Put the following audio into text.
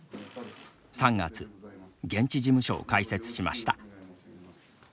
３月、現地事務所を開設しました。